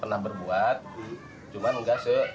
pernah berbuat cuman enggak se